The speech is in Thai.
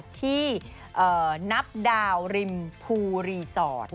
ที่นับดาวริมภูรีสอร์ท